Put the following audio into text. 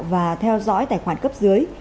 và theo dõi tài khoản cấp dưới